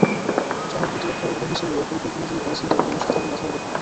শহর প্রতিরক্ষার উপায় হিসেবে এ পরিকল্পনা যিনি করেছেন তিনি কোন সাধারণ মেধার লোক নন।